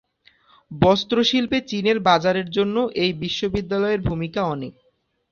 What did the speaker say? বস্ত্র শিল্পে চীনের বাজারের জন্য এই বিশ্ববিদ্যালয়ের ভূমিকা অনেক।